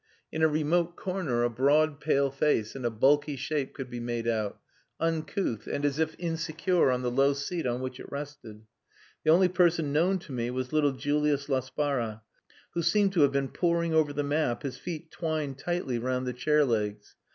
In a remote corner a broad, pale face and a bulky shape could be made out, uncouth, and as if insecure on the low seat on which it rested. The only person known to me was little Julius Laspara, who seemed to have been poring over the map, his feet twined tightly round the chair legs.